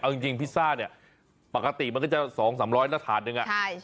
เอาจริงจริงพิซซ่าเนี้ยปกติมันก็จะสองสามร้อยละถาดหนึ่งอ่ะใช่ใช่